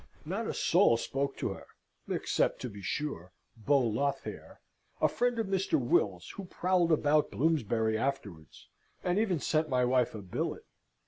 Not a soul spoke to her except, to be sure, Beau Lothair, a friend of Mr. Will's, who prowled about Bloomsbury afterwards, and even sent my wife a billet.